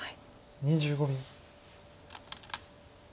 ２５秒。